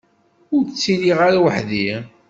Ur ttiliɣ ara weḥd-i.